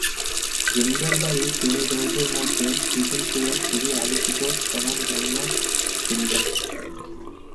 জমিদার বাড়ির জমিদারদের মধ্যে দুজন ছিলেন খুবই আলোচিত স্বনামধন্য জমিদার।